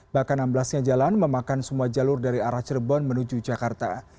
bahkan amblasnya jalan memakan semua jalur dari arah cirebon menuju jakarta